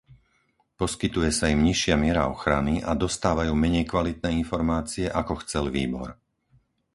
Poskytuje sa im nižšia miera ochrany a dostávajú menej kvalitné informácie ako chcel výbor.